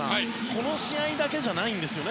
この試合だけじゃないんです。